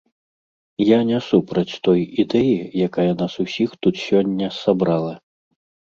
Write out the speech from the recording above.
Я не супраць той ідэі, якая нас усіх тут сёння сабрала.